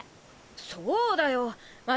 そうだよっ！